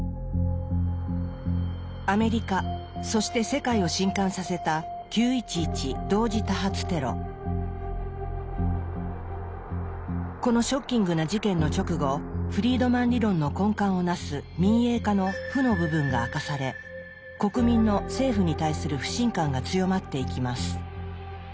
アメリカそして世界を震撼させたこのショッキングな事件の直後フリードマン理論の根幹を成す「民営化」の負の部分が明かされ国民の政府に対する不信感が強まっていきます。